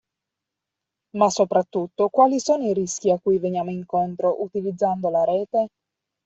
Ma soprattutto, quali sono i rischi a cui veniamo incontro utilizzando la rete?